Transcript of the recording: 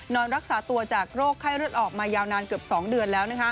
นอนรักษาตัวจากโรคไข้เลือดออกมายาวนานเกือบ๒เดือนแล้ว